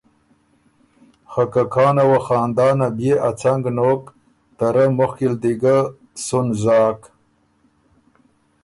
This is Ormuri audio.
خه که کانه وه خاندانه بيې ا څنګ نوک ته رۀ مُخکی ل ګۀ سُن زاک